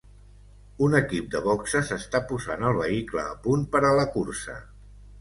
Un equip de boxes està posant el vehicle a punt per a la cursa.